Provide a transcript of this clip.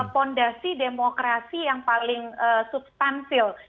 fondasi demokrasi yang paling substansil